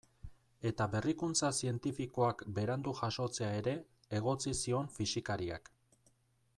Eta berrikuntza zientifikoak berandu jasotzea ere egotzi zion fisikariak.